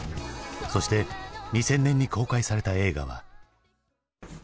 そして２０００年に公開された映画は。